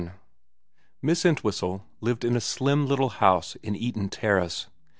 VII Miss ENTWHISTLE lived in a slim little house in Eaton Terrace.